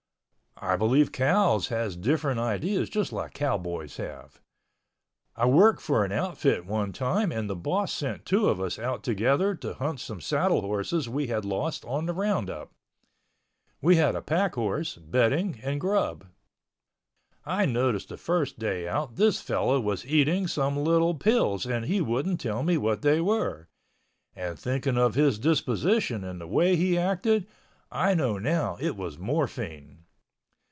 I believe cows has different ideas just like cowboys have. I worked for an outfit one time and the boss sent two of us out together to hunt some saddle horses we had lost on the roundup. We had a pack horse, bedding and grub. I noticed the first day out this fellow was eating some little pills and he wouldn't tell me what they were, and thinking of his disposition and the way he acted, I know now it was morphine.